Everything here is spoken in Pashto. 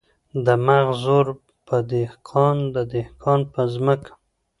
د مغل زور په دهقان د دهقان په ځمکه .